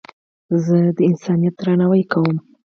زه د انسانیت درناوی کوم.